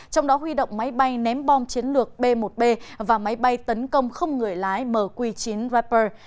trong đó huy động máy bay ném bom chiến lược b một b và máy bay tấn công không người lái mq chín rapper